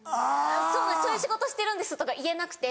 そういう仕事してるんですとか言えなくて。